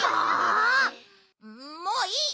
もういい！